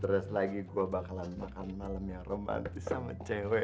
terus lagi gue bakalan makan malam yang romantis sama cewek